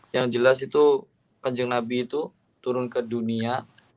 yang jelas itu panjang nabi itu turun ke dunia